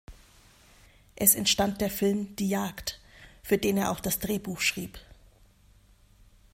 Es entstand der Film "Die Jagd", für den er auch das Drehbuch schrieb.